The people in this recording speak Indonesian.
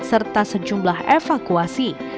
serta sejumlah evakuasi